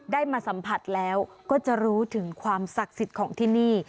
ได้มาสัมผัสแล้วก็จะรู้ถึงความศักดิ์สิทธิ์ของที่นี่